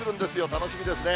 楽しみですね。